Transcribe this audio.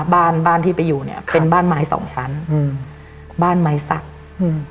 บ้านบ้านที่ไปอยู่เนี้ยเป็นบ้านไม้สองชั้นอืมบ้านไม้สักอืม